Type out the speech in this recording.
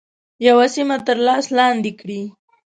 یوه سیمه تر لاس لاندي کړي.